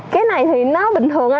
cái này thì nó bình thường